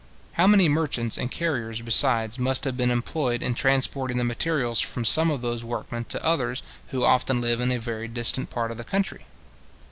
How many merchants and carriers, besides, must have been employed in transporting the materials from some of those workmen to others who often live in a very distant part of the country?